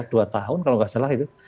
dua tahun kalau nggak salah itu